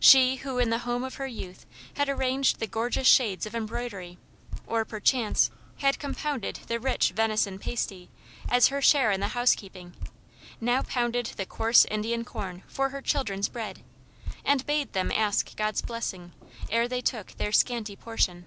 She, who in the home of her youth had arranged the gorgeous shades of embroidery, or, perchance, had compounded the rich venison pasty, as her share in the housekeeping, now pounded the coarse Indian corn for her children's bread, and bade them ask God's blessing, ere they took their scanty portion.